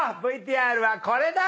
ＶＴＲはこれだ！